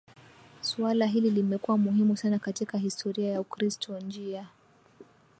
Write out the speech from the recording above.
Suala hili limekuwa muhimu sana katika historia ya Ukristo Njia